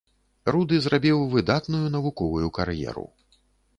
Руды зрабіў выдатную навуковую кар'еру.